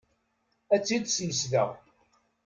Ad tt-id-smesdeɣ.